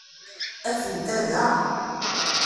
Atent-a da.